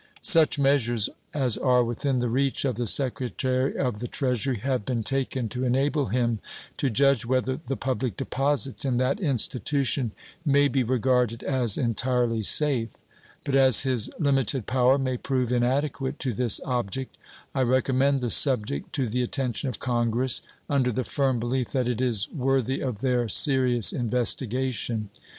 Such measures as are within the reach of the Secretary of the Treasury have been taken to enable him to judge whether the public deposits in that institution may be regarded as entirely safe; but as his limited power may prove inadequate to this object, I recommend the subject to the attention of Congress, under the firm belief that it is worthy of their serious investigation.